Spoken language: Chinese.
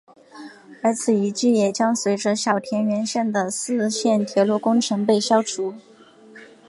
而此遗迹也将随着小田原线的四线铁路工程被消除。